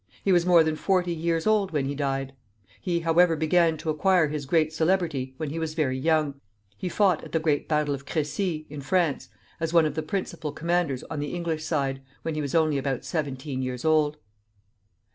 He was more than forty years old when he died. He, however, began to acquire his great celebrity when he was very young: he fought at the great battle of Crecy, in France, as one of the principal commanders on the English side, when he was only about seventeen years old.